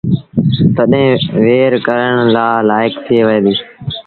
تڏهيݩ وهير ڪرڻ ري لآئيڪ ٿئي وهي دو